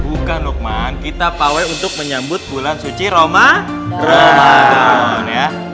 bukan lukman kita pawai untuk menyambut bulan suci ramadhan